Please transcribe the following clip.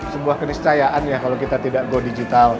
sebuah keniscayaan ya kalau kita tidak go digital